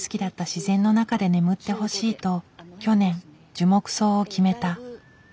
自然の中で眠ってほしいと去年樹木葬を決めた。